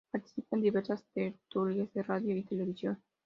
Participa en diversas tertulias de radio y televisión.